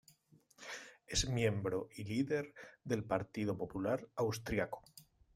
Es miembro y líder del Partido Popular Austríaco.